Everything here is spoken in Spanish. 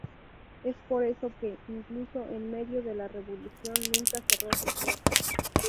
Es por eso que, incluso en medio de la Revolución, nunca cerró sus puertas.